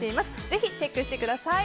是非チェックしてください。